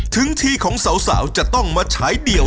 ถึงทีของสาวจะต้องมาฉายเดี่ยว